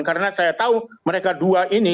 karena saya tahu mereka dua ini